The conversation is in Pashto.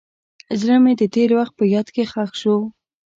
زړه مې د تېر وخت په یاد کې ښخ شو.